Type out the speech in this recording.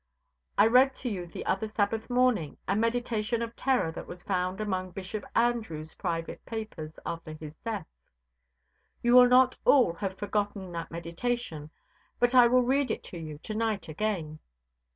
I read to you the other Sabbath morning a meditation of terror that was found among Bishop Andrewes' private papers after his death. You will not all have forgotten that meditation, but I will read it to you to night again.